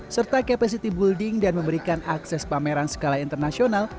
serta capacity building dan memberikan akses pameran skala internasional